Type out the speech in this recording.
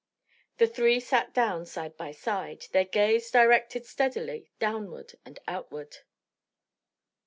The three sat down side by side, their gaze directed steadily downward and outward.